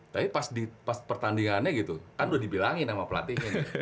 tapi pas pertandingannya gitu kan udah dibilangin sama pelatihnya nih